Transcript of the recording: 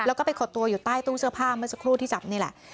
แล้วก็ไปขดตัวอยู่ใต้ตู้เสื้อผ้าเมื่อสักครู่ที่จับนี่แหละ